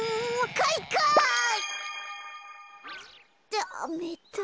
ダメだ。